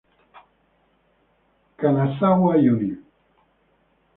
Kanazawa Univ.